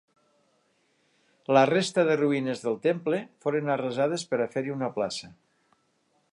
La resta de ruïnes del temple foren arrasades per a fer-hi una plaça.